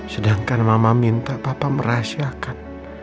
sedangkan mama minta papa merahasiakan